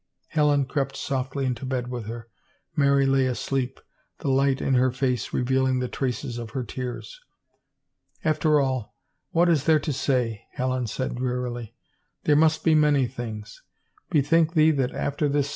Helen crept softly into bed with her. Mary lay asleep, the light in her face revealing the traces of her tears. After all, what is there to say ?" Helen said drearily. There must be many things.